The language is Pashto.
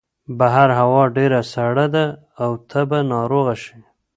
بهر هوا ډېره سړه ده او ته به ناروغه شې.